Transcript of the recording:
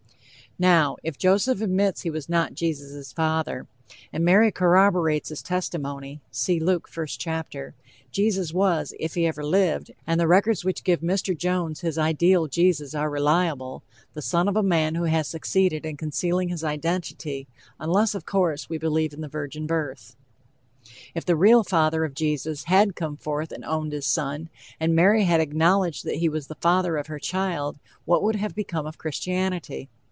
Now, if Joseph admits he was not Jesus' father, and Mary corroborates his testimony (See Luke, 1st chapter), Jesus was, if he ever lived, and the records which give Mr. Jones his ideal Jesus are reliable, the son of a man who has succeeded in concealing his identity, unless, of course, we believe in the virgin birth. If the real father of Jesus had come forth and owned his son, and Mary had acknowledged that he was the father of her child, what would have become of Christianity?